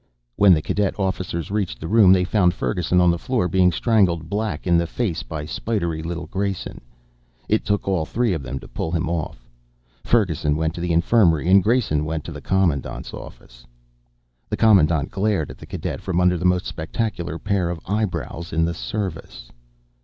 When the cadet officers reached the room they found Ferguson on the floor being strangled black in the face by spidery little Grayson. It took all three of them to pull him off. Ferguson went to the infirmary and Grayson went to the Commandant's office. The Commandant glared at the cadet from under the most spectacular pair of eyebrows in the Service.